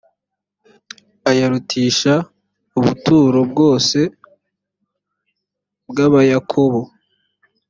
ayarutisha ubuturo bwose bw’ abayakobo .